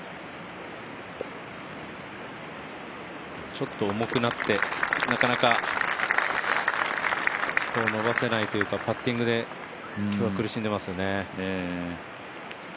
ちょっと重くなってなかなか伸ばせないというかパッティングで今日は苦しんでいますよね。